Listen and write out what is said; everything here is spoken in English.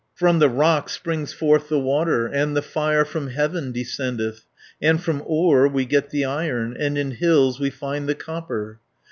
"From the rock springs forth the water, And the fire from heaven descendeth, And from ore we get the iron, And in hills we find the copper.